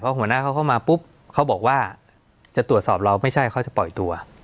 หัวหน้าเขาเข้ามาปุ๊บเขาบอกว่าจะตรวจสอบเราไม่ใช่เขาจะปล่อยตัว